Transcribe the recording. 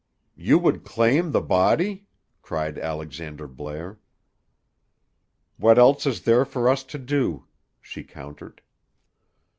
"You would claim the body?" cried Alexander Blair. "What else is there for us to do?" she countered.